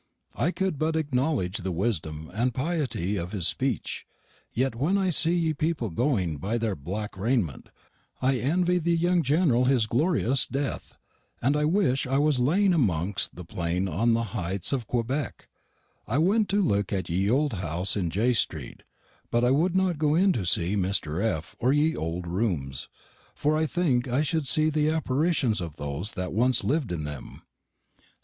I could but aknowlege the wisdomm and pyety of this speche; yett whenn I see ye peopel going bye in their black rayment, I envy the young Gennerel his gloreous deth, and I wish I was laying amongst the plane on the hites of Quebeck. I went to look at ye old house in J. St., but I wou'd not go in to see Mr. F. or ye old roomes; for I think I shou'd see the aparishions of those that once liv'd in them.